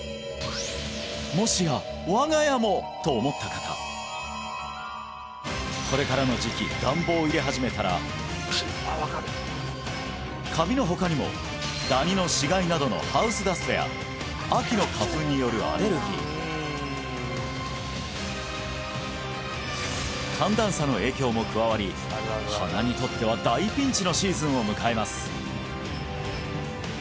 「もしや我が家も！」と思った方これからの時期暖房を入れ始めたらカビの他にもダニの死骸などのハウスダストや秋の花粉によるアレルギー寒暖差の影響も加わり鼻にとっては大ピンチのシーズンを迎えます